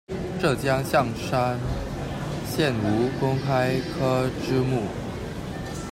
浙江象山县吴公开科之墓